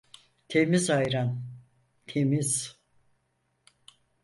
Temiz ayran… Temiz…